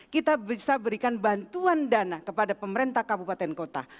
kita bisa berikan bantuan dana kepada pemerintah kabupaten kota